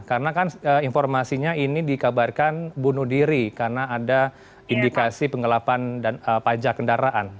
karena kan informasinya ini dikabarkan bunuh diri karena ada indikasi pengelapan dan pajak kendaraan